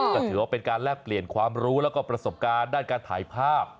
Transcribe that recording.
ก็ถือว่าเป็นการแลกเปลี่ยนความรู้แล้วก็ประสบการณ์ด้านการถ่ายภาพ